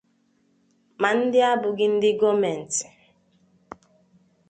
ma ndị abụghị nke gọọmentị.